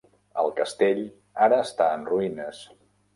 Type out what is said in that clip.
El castell ara està en ruïnes.